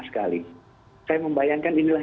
sekali saya membayangkan inilah